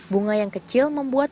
bunga yang kecil membuat